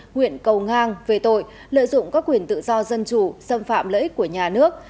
nguyện cầu ngang về tội lợi dụng các quyền tự do dân chủ xâm phạm lợi ích của nhà nước